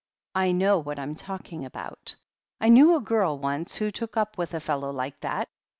"I know what I'm talking about. I knew a girl once who took up with a fellow like that.